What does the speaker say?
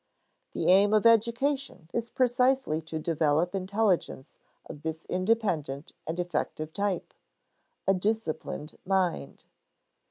The aim of education is precisely to develop intelligence of this independent and effective type a disciplined mind.